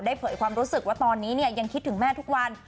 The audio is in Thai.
เผยความรู้สึกว่าตอนนี้ยังคิดถึงแม่ทุกวัน